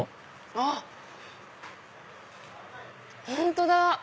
あっ本当だ！